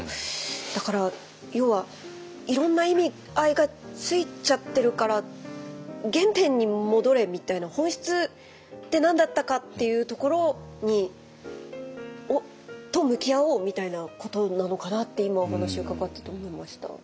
だから要はいろんな意味合いがついちゃってるから原点に戻れみたいな本質って何だったかっていうところと向き合おうみたいなことなのかなって今お話伺ってて思いました。